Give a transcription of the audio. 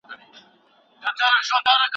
دُرې به اوري